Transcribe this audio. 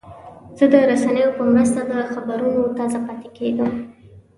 زه د رسنیو په مرسته د خبرونو تازه پاتې کېږم.